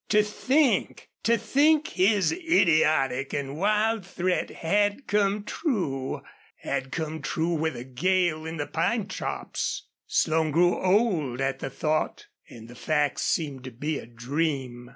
To think to think his idiotic and wild threat had come true and come true with a gale in the pine tops! Slone grew old at the thought, and the fact seemed to be a dream.